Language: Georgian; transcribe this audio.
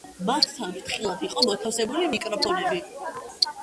მათთან ფრთხილად იყო მოთავსებული მიკროფონები.